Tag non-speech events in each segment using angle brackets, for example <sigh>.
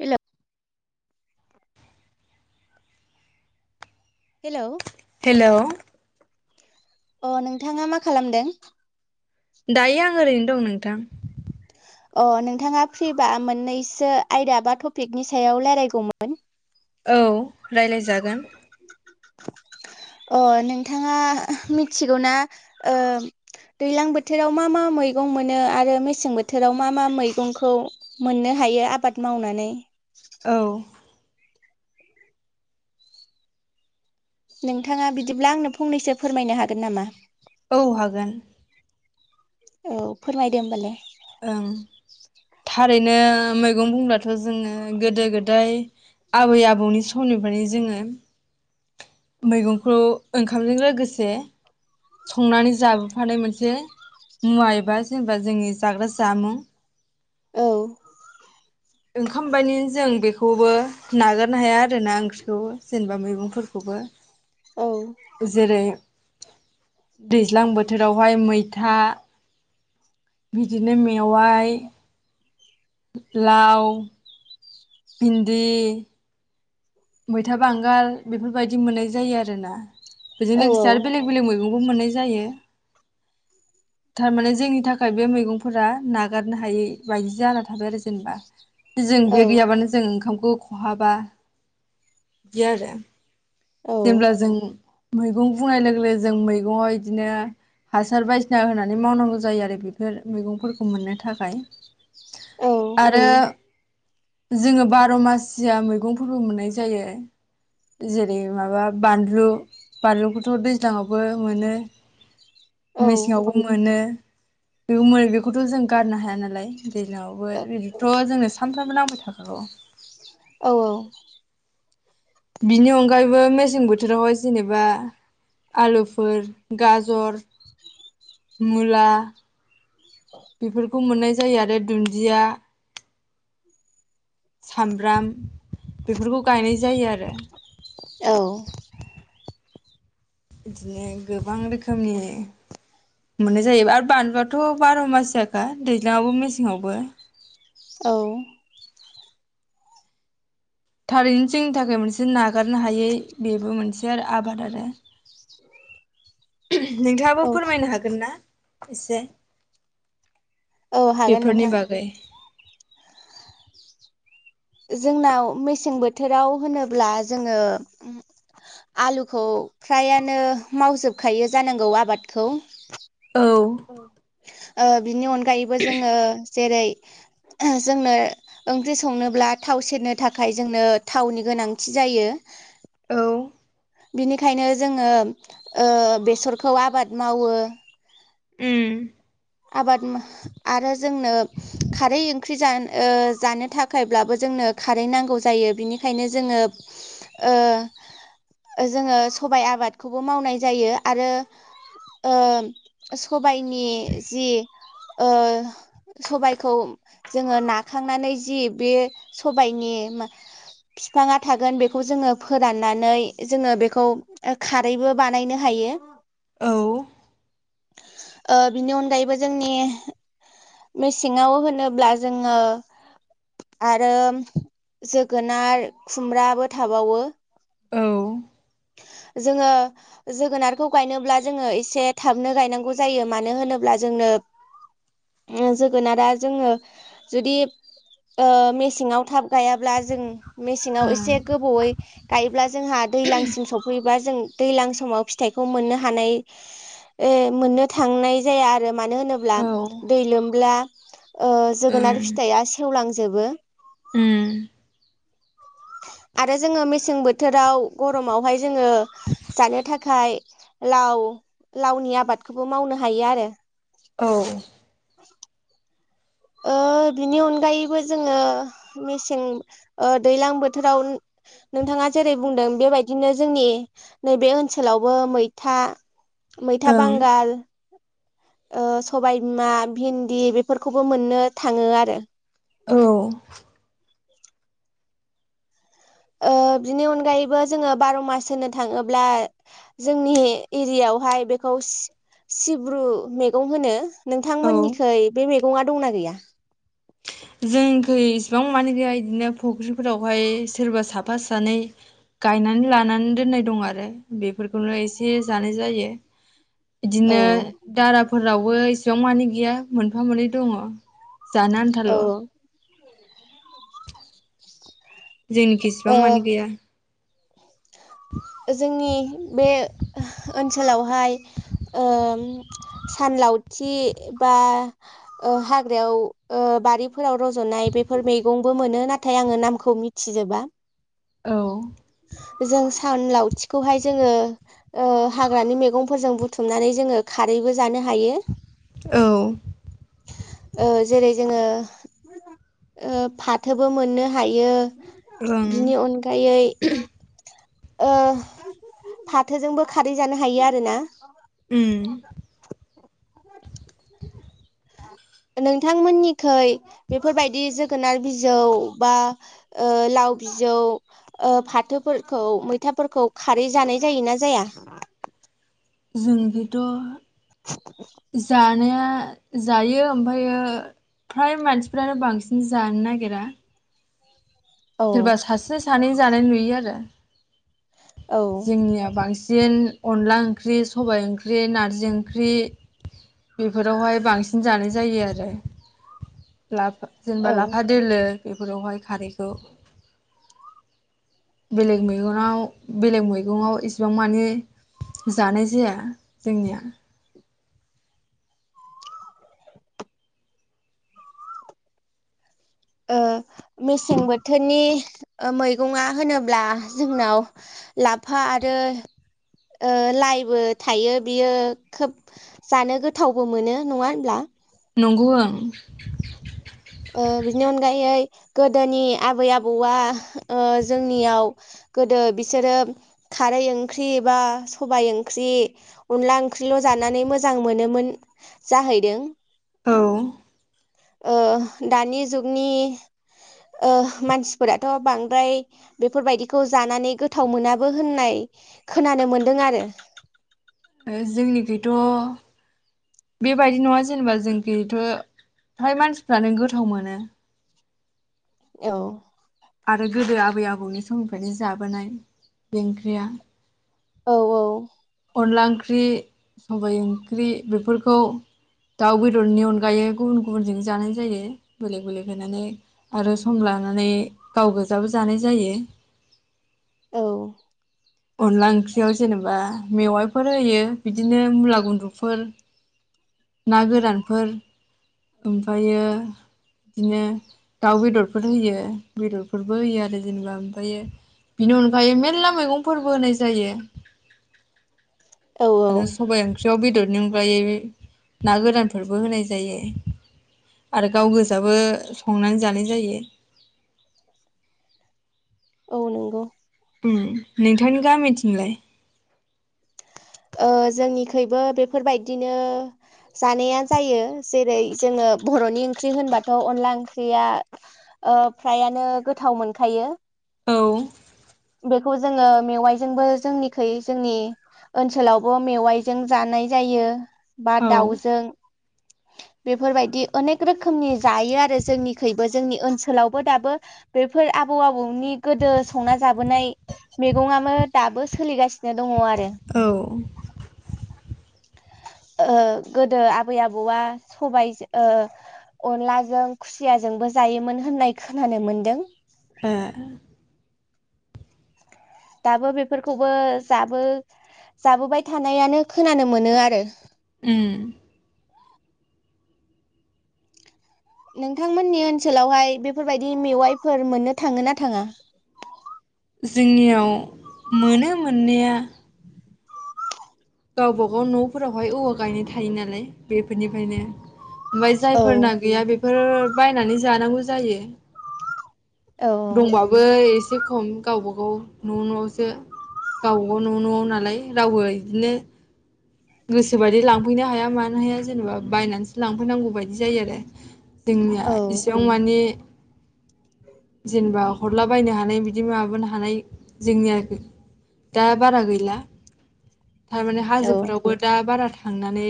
हेल' hello hello अ नोंथाङा मा खालामदों दायो आं ओरैनो दं नोंथां अ नोंथाङा फ्रिबा मोननैसो आयदा बा टपिकनि सायाव रायलायगौमोन औ रायलायजागोन अ नोंथाङा मिथिगौना ओ दैलां बोथोराव मा मा मैगं मोनो आरो मेसें बोथोराव मा मा मैगंखौ मोननो हायो आबाद मावनानै औ नोंथाङा बिदिब्ला आंनो फंनैसो फोरमायनो हागोन नामा औ हागोन औ फोरमायदो होमबालाय ओं थारैनो मैगं बुंब्लाथ' जोङो गोदो गोदाय आबै आबौनि समनिफ्रायनो जोङो मैगंखौ ओंखामजों लोगोसे संनानै जाबोफानाय मोनसे मुवा एबा जेनेबा जोंनि जाग्रा जामुं औ ओंखाम बानि जों बेख खौबो नागारनो हाया आर ना ओंख्रिखौ जेनेबा मैगंफोरखौबो औ जेरै दैज्लां बोथोरावहाय मैथा बिदिनो मेवाइ लाउ भिन्दि मैथा बांगाल बेफोरबायदि मोननाय जायो आरोना बेजों औ लोगोसे आरो बेलेग बेलेग मैगं बो मोननाय जायो थारमाने जोंनि थाखाय बे मैगंफोरा नागारनो हायै बायदि जाना थाबाय आरो जेनबा जों औ बे गैयाबानो जों ओंखामखौ खहाबा इदि आरो औ जेब्ला जों मैगं बुंनाय लोगो लोगो जों मैगङाव इदिनो हासार बायसिना होनानै मावनांगौ जायो आरो बेफोर मैगंफोरखौ मोननो थाखाय। औ आरो जोङो बार' मासिया मैगंफोरबो मोननाय जायो जे रै माबा बानलु बानलुखौथ' दैज्लाङावबो मोनो औ मेसेङावबो मोनो बे मै बेखौथ' जों गारनो हाया नालाय दैज्लां आवबो बिदिथ' जोंनो सामफ्रामबो नांबाय थाखागौ। बिनि अनगायैबो मेसें बोथोरावहाय जेनेबा आलुफोर गाजर मुला बिफोरखौ मोननाय जायो आरो दुन्दिया सामब्राम बेफोरखौ गायनाय जायो आरो औ। इदिनो गोबां रोखोमनि मोननाय जायो आरो बानलुआथ' बार' मासियाखा दैज्लाङावबो मेसेंआवबो औ। थारैनो जोंनि थाखोय मोनसे नागारनो हायै बेबो मोनसे आरो आबाद आरो नोंथाङाबो औ फोरमायनो हागोन ना? इसे औ हागोन नोंथां बेफोरनि बागै जोंनाव मेसें बोथोराव होनोब्ला जोङो उम आलुखौ फ्रायानो मावजोबखायो जानांगौ आबादखौ औ ओ बिनि अन गायैबो जोङो जेरै जोंनो ओंख्रि संनोब्ला थाव सेरनो थाखाय जोंनो थावनि गोनांथि जायो। <inaudible> बिनिखायनो जोङो ओ बेसरखौ आबाद मावो। उम आबाद मा आरो जोंनो खारै ओंख्रि जान ओ जानो थाखायब्लाबो जोंनो खारै नांगौ जायो बिनिखायनो जोङो ओ जोङो सबाय आबादखौबो मावनाय जायो आरो ओ स' बाइनि ओ सबायखौ जोङो नाखांनानै जि बे सबायनि फिफाङा थागोन बेखौ जोङो फोराननानै जोङो बेखौ खारैबो बानायनो हायो। औ। ओ बिनि अनगायैबो जोंनि मेसेङाव होनोब्ला जोङो आरो जोगोनार खुमब्राबो थाबावो औ ओं जोङो जोगोनारखौ गायनोब्ला जोङो एसे थाबनो गनांगौ जायो मानो होनोब्ला जोंनो जोगोनारा जोङो जुदि ओ मेसेंआव थाब गाया अब्ला जों मेसेंयाव एसे गोबावै गायब्ला जोंहा दैलांसिम सफैबा जों दैलां समाव फिथाइखौ मोननो हानाय ओ मोननो थांनाय जाया आरो। मानो होनोब्ला औ ओं दै लोमब्ला ओ जोगोनार उम फिथाइया सेवलां जोबो आरो जोङो मेसें बोथोराव गरमावहाय जोङो जानो थाखाय लाव लावनि आबादखौबो मावनो हायो आरो औ <unintelligible> ओ बिनि अनगायैबो जोङो मेसें ओ दैलां बोथोराव नोंथाङा जेरै बुंदों बेबायदिनो जोंनि नैबे ओनसोलावबो मैथा मैथा ओं बांगाल ओ सबाय बिमा भिन्दि बेफोरखौ बो मोननो थाङो आरो औ ओ बिनि अनगायैबो जोङो बार' मास होनो थाङोब्ला जोंनि एरियायावहाय बेखौ सि सिब्रु मैगं होनो औ नोंथांमोननिखै बे मैगंया दंना गैया <unintelligible> जोंखै इसेबां बिफांयानो गैया इदिनो फुख्रिफोरावहाय सोरबा साफा सानै गायनानै लानानै दोननाय दं आरो बेफोरखौनो एसे जानाय जायो औ इदिनो दाराफोरावबो इसेबां मानि गैया मोनफा मोननै दङ जानो औ आनथाल' जोंनिखि इसिबां ओ मानि गैया जोंनि बे ओनसोलावहाय ओम सानलावथि बा ओ हाग्रायाव ओ बारिफोराव रज'नाय बेफोर मैगंबो मोनो नाथाय आङो नामखौ मिथिजोबा औ जों सान लावथिखौहाय जोङो ओ हाग्रानि मैगंफोरजों बुथुमनानै जोङो खारैबो जानो हायो औ ओ जेरै जोङो ओ फाथोबो मोननो हायो बिनि अनगायै ओ फाथोजोंबो खारै जानो हायो आरोना उम नोंथां मोननिखै बेफोरबायदि जोगोनार बिजौ बा ओ लाव बिजौ ओ फाथोफोरखौ मैथाफोरखौ खारै जानाय जायोना जाया जोंहैथ' जा नाया जायो ओमफ्रायो फ्राय मानसिफ्रानो बांसिन जानो नागिरा औ सोरबा सासे सानै जानाय नु यो आरो जोंनिया बां सिन अनला ओंख्रि सबाइ ओंख्रि नारजि ओंख्रि बेफोरावहाय बांसिन जानाय जायो आरो ला जेनेबा ओ लाफा दोलो बेफोरावहाय खारैखौ बेलेग मैगंआव बेलेग मैगङाव इसिबां माने जानाय जाया जोंनिया ओ मेसें बोथोरनि ओ मैगङा होनोब्ला जोंनाव लाफा आरो लाइबो थायो बियो खोब जानो गोथावबो मोनो नङा होनब्ला नंगौ ओं ओ बिनि अनगायै गोदोनि आबै आबौआ ओ जोंनियाव गोदो बिसोरो खारै ओंख्रि बा सबाय ओंख्रि अनला ओंख्रिल' जानानै मोजां मोनोमोन जाहैदों औ ओ दानि जुगनि ओ मानसिफोराथ' बांद्राय बेफोरबायदिखौ जानानै गोथाव मोनाबो होननाय खोनानो मोनदों आरो ओ जोंनिखैथ' बेबायदि नङा जेनेबा जोंखिथ' फ्राय मानसिफ्रानो गोथाव मोनो औ आरो गोदो आबै आबौनि समनिफ्रायनो जाबोनाय बे ओंख्रिया औ औ अनला ओंख्रि सबाय ओंख्रि बेफोरखौ दाउ बेदरनि अनगायै गुबुन गुबुनजों जानाय जायो बेलेक बेलेक होनानै आरो सम लानानै गाव गोजाबो जानाय जायो औ अनला ओंख्रियाव जेनेबा मेवाइफोर होयो बिदिनो मुला गुनद्रुफोर ना गोरानफोर ओमफ्रायो बिदिनो दाउ बेदरफोर होयो बेदरफोरबो होयो आरो जेनेबा ओमफ्रायो बिनि अनगायै मेरला मैगं फोरबो होनाय जायो औ आरो सबाय ओंख्रियाव बेदर नि अनगायै ना गोरानफोरबो होनाय जायो आरो गाव गोजाबो संनानै जानाय जायो औ नंगौ उम नों थांनि गामिथिंलाय ओ जोंनिखुइबो बेफोरबायदिनो जानाया जायो जेरै जोङो बर'नि ओंख्रि होनबाथ' अनला ओंख्रिया ओ फ्रायानो गोथाव मोनखायो औ बेखौ जोङो मेवाइजोंबो जोंनिखै जोंनि ओनसोलावबो मेवाइजों जानाय जायो बा औ दाउजों बेफोरबायदि अनेक रोखोमनि जायो आरो जोंनिखुइबो जोंनि ओनसोलावबो दाबो बेफोर आबौ आबौनि गोदो संना जाबोनाय मेगङाबो दाबो सोलिगासिनो दङ आ औ ओ गोदो आबै आबौआ सबायाइ ओ अनलाजों खुसियाजोंबो जायोमोन होननाय खोनानो मोनदों ए दाबो बेफोरखौबो जाबो जाबोबाय थानायानो खोनानो मोनो आरो ओम नोंथांमोननि ओनसोलावहाय बेफोरबायाददि मेवाइफोर मोननो थाङो ना थाङा जोंनियाव मोनो मोननाया गावबा गाव न'फोरावहाय औवा गायनाय थायो नालाय बेफोरनिफ्रायनो ओमफाय औ जायफोरना गैया बेफोर बायनानै जानांगौ जायो औ दंबाबो एसे खम गावबागाव न' न'आवसो गावबाागाव न' न'आव नालाय रावबो बिदिनो गोसोबायदि लांफैनो हाया मानो हाया जेनेबा बायनानैसो लांफैनांगौ बायदि जायो आरो जोंनिया औ एसेयाव माने जेनेबा हरलाबायायनो हानाय बिदि माबानो हानाय जोंनि आरोखि दा बारा गैला थारमाने औ हाजोफोरावबो दा बारा था थांनानै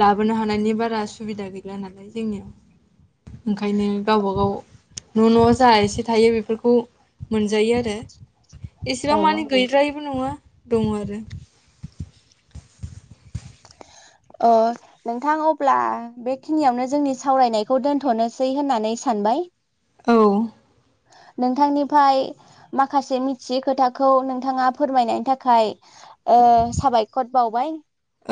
लाबोनो हानायनि बारा सुबिदा गैला नालाय जोंनियाव ओंखायनो गावब गाव न' न' जा एसे थायो बेफोरखौ मोनजायो आरो औ एसेबां मानि गैद्रायि बो नङा दङ आरो अ नोंथां अब्ला बेखिनियावनो जोंनि सावरायनायखौ दोन्थ'नोसै होननानै सानबाय औ नोंथांनिफ्राय माखासे मिथियै खोथाखौ नोंथाङा फोरमायनायनि थाखाय साबायखर बावबाय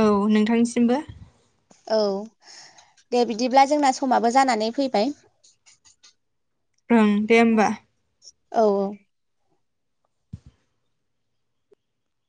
औ नोंथांनिसिमबो औ दे बिदिब्ला जोंना समाबो जानानै फैबाय ओं दे होमबा औ औ